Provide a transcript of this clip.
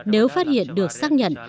nếu phát hiện được xác nhận